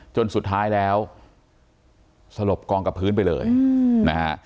จนสุดท้ายแล้วสลบกองกับพื้นไปเลยนะฮะ